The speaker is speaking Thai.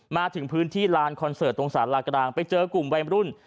มาถึงพื้นที่ลานคอนเสิร์ตตรงศาลากลางไปเจอกลุ่มวัยรุ่น